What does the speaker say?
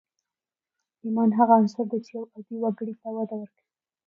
ايمان هغه عنصر دی چې يو عادي وګړي ته وده ورکوي.